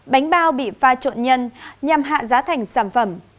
bánh bao bị pha trộn nhân nhằm hạ giá thành sản phẩm